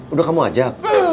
udah kamu ajak